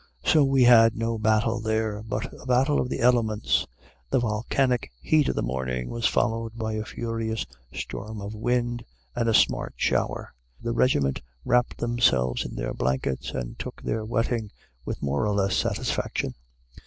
So we had no battle there, but a battle of the elements. The volcanic heat of the morning was followed by a furious storm of wind and a smart shower. The regiment wrapped themselves in their blankets and took their wetting with more or less satisfaction.